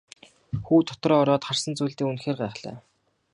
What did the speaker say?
Хүү дотор ороод харсан зүйлдээ үнэхээр гайхлаа.